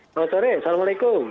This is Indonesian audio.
selamat sore assalamualaikum